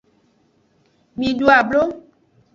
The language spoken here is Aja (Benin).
Mi du ablo.